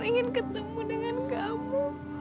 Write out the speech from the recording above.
ingin ketemu dengan kamu